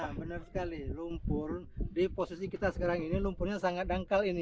ya benar sekali lumpur di posisi kita sekarang ini lumpurnya sangat dangkal ini